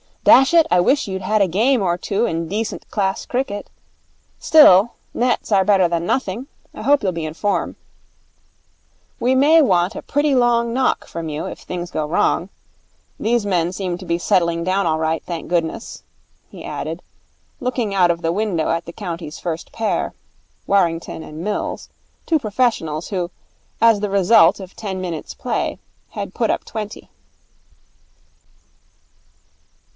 'Dash it, I wish you'd had a game or two in decent class cricket. Still, nets are better than nothing, I hope you'll be in form. We may want a pretty long knock from you, if things go wrong. These men seem to be settling down all right, thank goodness,' he added, looking out of the window at the county's first pair, Warrington and Mills, two professionals, who, as the result of ten minutes' play, had put up twenty.